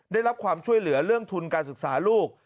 ได้รับความช่วยเหลือเรื่องทุนการศึกษาลูก